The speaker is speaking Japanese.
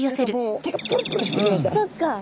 そっか。